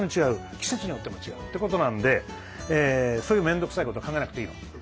季節によっても違うってことなんでそういう面倒くさいことは考えなくていいと。